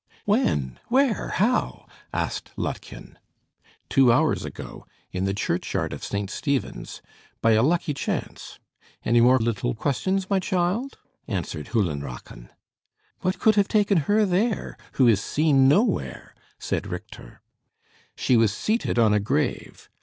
"When? Where? How?" asked Lottchen. "Two hours ago. In the churchyard of St. Stephen's. By a lucky chance. Any more little questions, my child?" answered Höllenrachen. "What could have taken her there, who is seen nowhere?" said Richter. "She was seated on a grave.